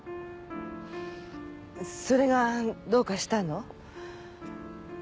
それがどうかしたの？